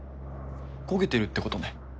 焦げてるってことね。